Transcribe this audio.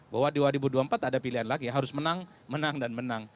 bahwa dua ribu dua puluh empat ada pilihan lagi harus menang menang dan menang